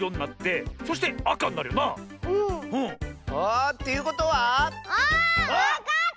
あ！っていうことは⁉あわかった！